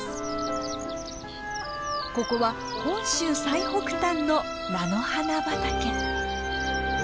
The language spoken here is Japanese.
ここは本州最北端の菜の花畑。